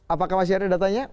apakah masih ada datanya